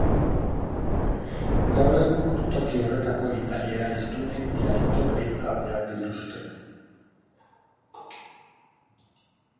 Gaur egun, toki horretako italiera hiztunek dialekto bereizgarriak dituzte.